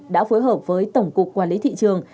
đã phối hợp với tổng cục quản lý thị trường